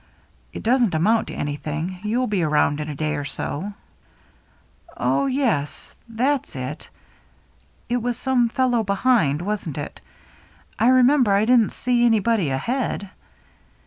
It doesn't amount to anything — you'll be around in a day or so." "Oh, yes — that's it. It was some fellow behind, wasn't it ? I remember I didn't see anybody ahead."